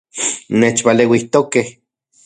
Nechpaleuijtokej